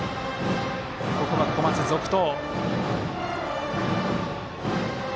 ここは小松、続投。